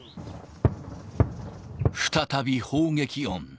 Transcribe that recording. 再び砲撃音。